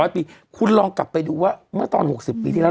๐ปีคุณลองกลับไปดูว่าเมื่อตอน๖๐ปีที่แล้ว